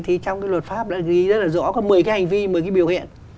thì trong luật pháp đã ghi rất rõ có một mươi hành vi một mươi biểu hiện